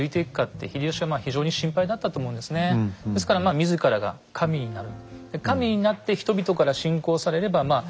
ですからまあ自らが神になる。